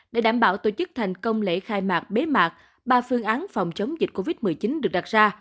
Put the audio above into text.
để đảm bảo tổ chức thành công lễ khai mạc bế mạc ba phương án phòng chống dịch covid một mươi chín được đặt ra